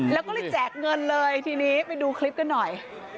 แล้วก็เลยแจกเงินเลยทีนี้ไปดูคลิปกันหน่อย